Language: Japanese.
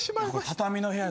畳の部屋